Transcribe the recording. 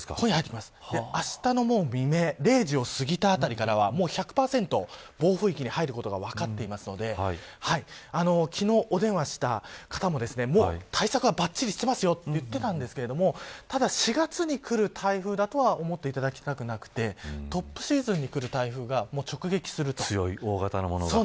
あしたの未明０時を過ぎたあたりからは１００％暴風域に入ることが分かっていますので昨日、電話した方も対策はばっちりしていますよと言っていたんですがただ、４月にくる台風だとは思っていただきたくなくてトップシーズンに来る台風が直撃すると。